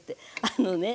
あのね